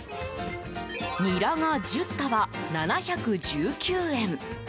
ニラが１０束、７１９円。